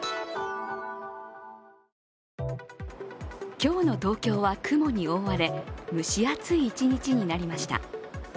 今日の東京は雲に覆われ、蒸し暑い一日になりました。